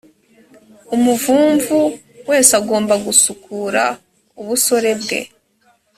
umuvumvu wese agomba gusukura uburoso bwe